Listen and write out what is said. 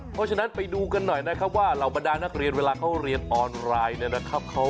เพราะฉะนั้นไปดูกันหน่อยนะครับว่าเหล่าบรรดานักเรียนเวลาเขาเรียนออนไลน์เนี่ยนะครับ